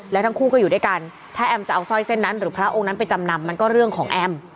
แล้วทั้งคู่ก็อยู่ด้วยกันถ้าแอมจะเอาสร้อยเส้นนั้นหรือพระองค์นั้นไปจำนำมันก็เรื่องของแอม